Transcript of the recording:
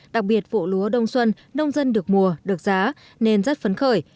đặc biệt vụ lúa đông xuân nông dân được mùa được giá nên rất phấn khởi